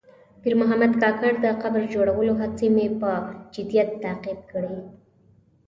د پیر محمد کاکړ د قبر جوړولو هڅې مې په جدیت تعقیب کړې.